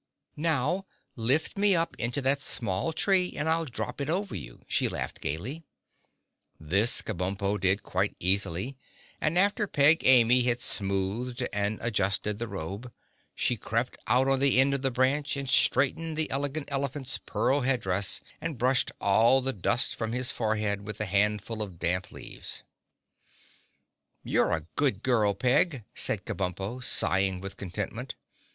"Now lift me up into that small tree and I'll drop it over you," she laughed gaily. This Kabumpo did quite easily and after Peg Amy had smoothed and adjusted the robe, she crept out on the end of the branch and straightened the Elegant Elephant's pearl head dress and brushed all the dust from his forehead with a handful of damp leaves. [Illustration: (unlabelled)] "You're a good girl, Peg," said Kabumpo, sighing with contentment.